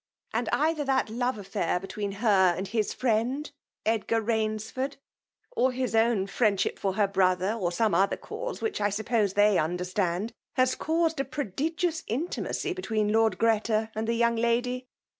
And either that love affair between her and his friend Edgar Rains ford, or his own friendship for her brother, or some other cause, which I suppose they under stand^ has caused a prodigious intimacy be tween Lord Ghreta and the young lady."